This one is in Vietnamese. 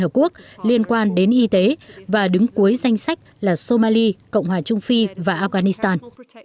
hợp quốc liên quan đến y tế và đứng cuối danh sách là somali cộng hòa trung phi và afghanistan